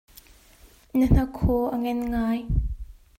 Na hnakhaw a ngan ngai.